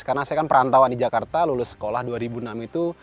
karena saya kan perantauan di jakarta lulus sekolah dua ribu enam itu